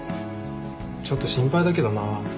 ちょっと心配だけどな。